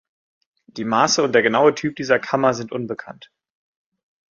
Die Maße und der genaue Typ dieser Kammer sind unbekannt.